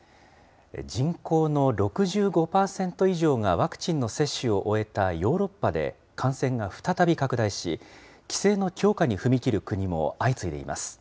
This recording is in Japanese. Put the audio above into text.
人口の６５％以上がワクチンの接種を終えたヨーロッパで感染が再び拡大し、規制の強化に踏み切る国も相次いでいます。